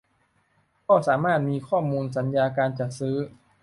ก็สามารถมีข้อมูลสัญญาการจัดซื้อ